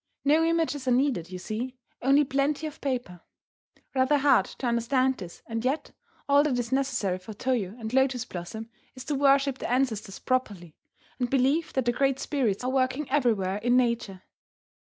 No images are needed, you see, only plenty of paper. Rather hard to understand this, and yet all that is necessary for Toyo and Lotus Blossom is to worship their ancestors properly, and believe that the great spirits are working everywhere in nature.